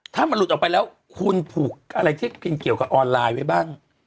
ถ้ามันหลุดออกไปแล้วคุณผูกอะไรที่กินเกี่ยวกับออนไลน์ไว้บ้าง